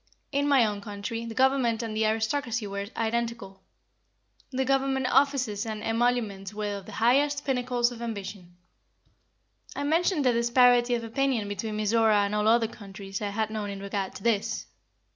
In my own country the government and the aristocracy were identical. The government offices and emoluments were the highest pinnacles of ambition. I mentioned the disparity of opinion between Mizora and all other countries I had known in regard to this.